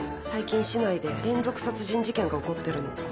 最近市内で連続殺人事件が起こってるの。